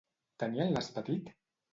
Tenia el nas petit?